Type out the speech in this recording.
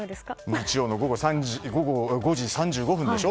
日曜の午後５時３５分でしょ？